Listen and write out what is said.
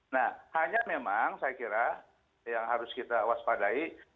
nah hanya memang saya kira yang harus kita waspadai